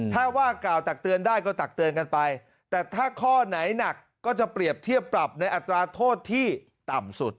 ถ้าว่ากล่าวตักเตือนได้ก็ตักเตือนกันไปแต่ถ้าข้อไหนหนักก็จะเปรียบเทียบปรับในอัตราโทษที่ต่ำสุด